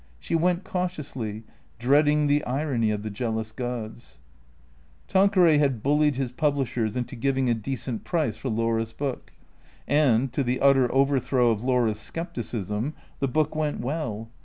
She went cautiously, dreading the irony of the jealous gods. Tanqueray had bullied his publishers into giving a decent price for Laura's book. And, to the utter overthrow of Laura's scepticism, the book went well.